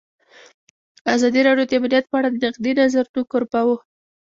ازادي راډیو د امنیت په اړه د نقدي نظرونو کوربه وه.